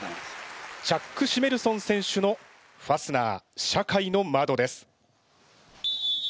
チャック・シメルソン選手の「ファスナー社会の窓」です。